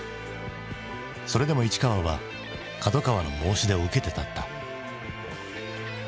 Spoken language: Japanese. それでも市川は角川の申し出を受けて立った。